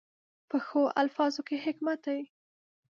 پخو الفاظو کې حکمت وي